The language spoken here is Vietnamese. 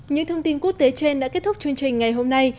những thông tin quốc tế trên đã kết thúc chương trình ngày hôm nay